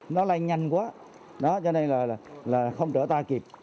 nó lên nhanh quá cho nên là không trở ta kịp